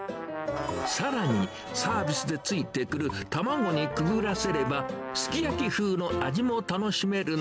さらに、サービスでついてくる卵にくぐらせれば、すき焼き風の味